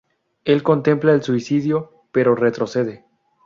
Él contempla el suicidio, pero retrocede.